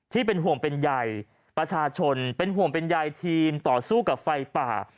ที่เป็นห่วงเป็นใยประชาชนเป็นห่วงเป็นใยทีมต่อสู้กับไฟป่า